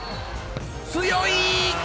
強い。